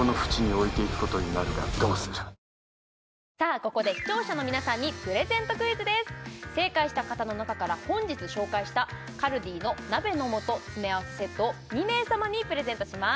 ここで視聴者の皆さんにプレゼントクイズです正解した方の中から本日紹介したカルディの鍋の素詰め合わせセットを２名様にプレゼントします